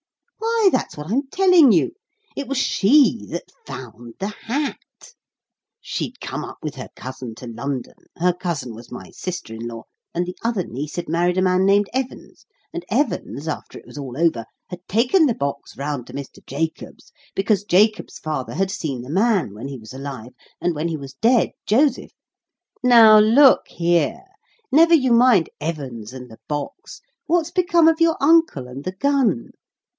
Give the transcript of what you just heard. "Why, that's what I'm telling you. It was she that found the hat. She'd come up with her cousin to London her cousin was my sister in law, and the other niece had married a man named Evans, and Evans, after it was all over, had taken the box round to Mr. Jacobs', because Jacobs' father had seen the man, when he was alive, and when he was dead, Joseph " "Now look here, never you mind Evans and the box; what's become of your uncle and the gun?"